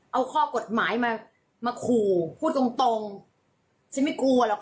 เอาข้อกฎหมายมามาขู่พูดตรงตรงฉันไม่กลัวหรอกค่ะ